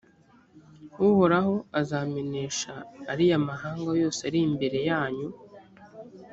uhoraho azamenesha ariya mahanga yose ari imbere yanyu,